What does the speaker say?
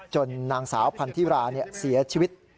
นางสาวพันธิราเสียชีวิต